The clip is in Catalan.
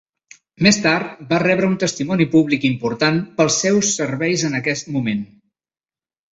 Més tard va rebre un testimoni públic important pels seus serveis en aquest moment.